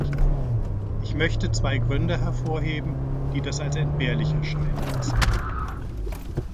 Ich möchte zwei Gründe hervorheben, die das als entbehrlich erscheinen lassen.